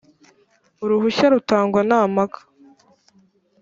uruhushya rutangwa nta mpaka